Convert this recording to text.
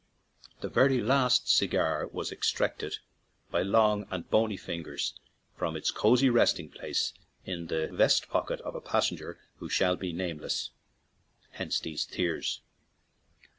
The very last cigar was extracted by long and bony fingers from its cosey resting place in the vest pocket of a passenger who shall be nameless — hence these tears!